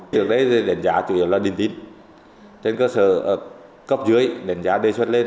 trước đây thì đánh giá chủ yếu là đình tín trên cơ sở cấp dưới đánh giá đề xuất lên